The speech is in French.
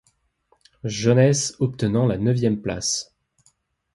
Jones, obtenant la neuvième place.